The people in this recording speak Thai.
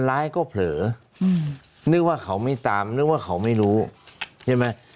ร้ายก็เผลอนึกว่าเขาไม่ตามนึกว่าเขาไม่รู้ใช่ไหม